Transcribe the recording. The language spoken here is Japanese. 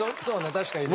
確かにね。